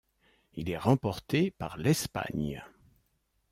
Il est remporté par l'Espagne.